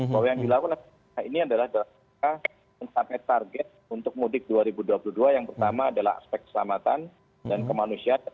bahwa yang dilakukan ini adalah mencapai target untuk mudik dua ribu dua puluh dua yang pertama adalah aspek keselamatan dan kemanusiaan